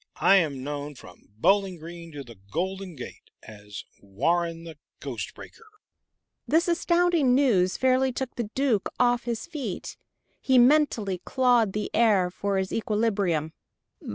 [Illustration: "I am known from Bowling Green to the Golden Gate, as Warren the Ghost Breaker"] This astounding news fairly took the Duke off his feet. He mentally clawed the air for his equilibrium.